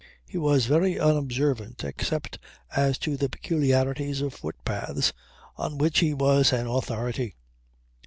He was very unobservant except as to the peculiarities of footpaths, on which he was an authority.